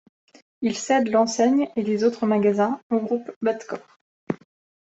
Il cède l'enseigne et les autres magasins au groupe Batkor.